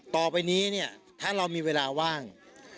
ต่อไปนี้ถ้าเรามีเวลาว่าง